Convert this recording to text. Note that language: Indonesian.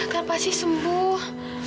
kan pasti sembuh